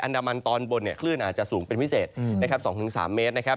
ดามันตอนบนเนี่ยคลื่นอาจจะสูงเป็นพิเศษนะครับ๒๓เมตรนะครับ